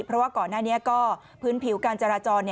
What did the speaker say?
เพราะว่าก่อนหน้านี้ก็พื้นผิวการจราจร